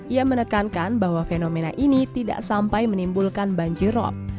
ia menekankan bahwa fenomena ini tidak sampai menimbulkan banjirop